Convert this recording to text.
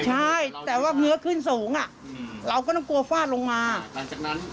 ใช่แต่ว่าเนื้อขึ้นสูงอ่ะเราก็ต้องกลัวฟาดลงมาหลังจากนั้น